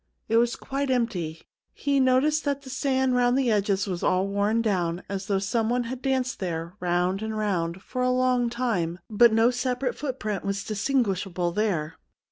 It was quite empty. He noticed that the sand round the edges was all worn down, as though someone had danced there, round and round, 57 THE MOON SLAVE for a long time. But no separate footprint was distinguishable there.